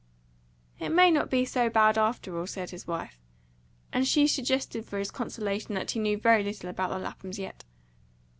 "It may not be so bad, after all," said his wife; and she suggested for his consolation that he knew very little about the Laphams yet.